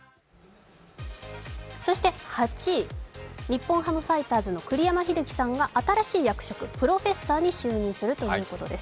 そして８位、日本ハムファイターズの栗山英樹さんが新しい役職、プロフェッサーに就任するということです。